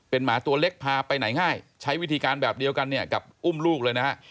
หมาตัวเล็กพาไปไหนง่ายใช้วิธีการแบบเดียวกันเนี่ยกับอุ้มลูกเลยนะฮะ